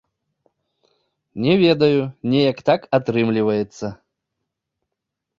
Не ведаю, неяк так атрымліваецца.